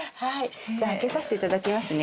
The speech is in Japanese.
じゃあ開けさせて頂きますね。